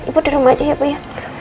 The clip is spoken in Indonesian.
ibu di rumah aja ya pak ya